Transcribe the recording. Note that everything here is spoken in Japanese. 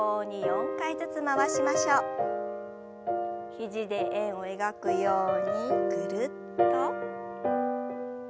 肘で円を描くようにぐるっと。